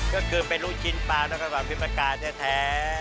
ก็คือเป็นลูกชิ้นปลาน้ำสวัสดิ์พริกประการแท้